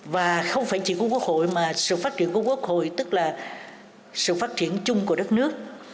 và không phải chỉ của quốc hội mà sự phát triển của quốc hội tức là sự phát triển chung của đất nước